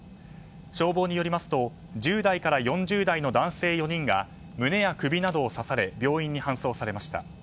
消防によりますと１０代から４０代の男性４人が胸や首などを刺され病院に搬送されました。